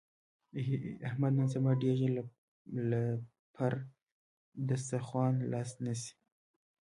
احمد نن سبا ډېر ژر له پر دستاخوان لاس نسي.